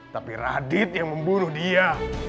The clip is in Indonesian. tapi radit yang memburu dia